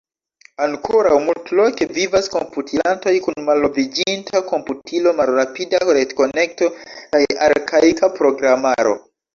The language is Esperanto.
Ankoraŭ multloke vivas komputilantoj kun malnoviĝinta komputilo, malrapida retkonekto kaj arkaika programaro.